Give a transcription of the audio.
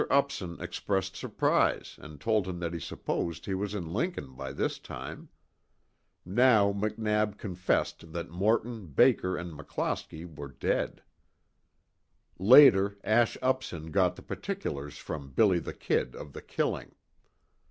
Upson expressed surprise and told him that he supposed he was in Lincoln by this time. Now McNab confessed that Morton, Baker and McClosky were dead. Later, Ash Upson got the particulars from "Billy the Kid" of the killing.